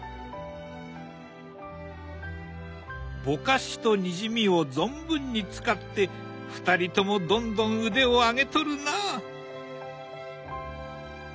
ぼかしとにじみを存分に使って２人ともどんどん腕を上げとるな！